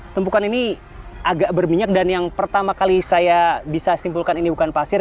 tumpukan ini agak berminyak dan yang pertama kali saya bisa simpulkan ini bukan pasir